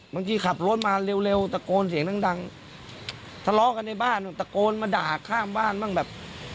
ขับรถมาเร็วตะโกนเสียงดังทะเลาะกันในบ้านตะโกนมาด่าข้างบ้านบ้างแบบ